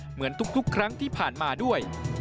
เหมือนทุกครั้งที่ผ่านมาด้วย